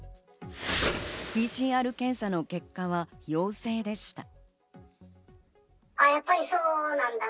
ＰＣＲ検査の結果は陽性でした。